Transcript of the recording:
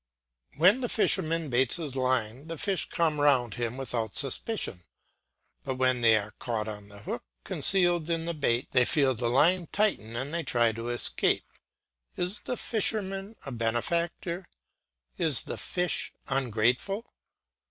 When the fisherman baits his line, the fish come round him without suspicion; but when they are caught on the hook concealed in the bait, they feel the line tighten and they try to escape. Is the fisherman a benefactor? Is the fish ungrateful?